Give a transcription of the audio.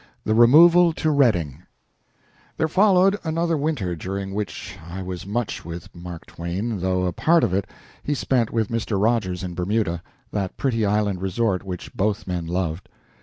THE REMOVAL TO REDDING There followed another winter during which I was much with Mark Twain, though a part of it he spent with Mr. Rogers in Bermuda, that pretty island resort which both men loved.